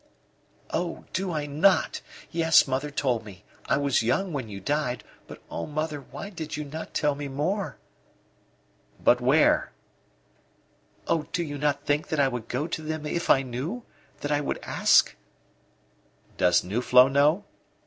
"Oh, do I not! Yes mother told me. I was young when you died, but, O mother, why did you not tell me more?" "But where?" "Oh, do you not think that I would go to them if I knew that I would ask?" "Does Nuflo know?"